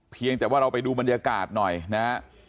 เพียงแต่ว่าเราไปดูบรรยากาศหน่อยนะฮะ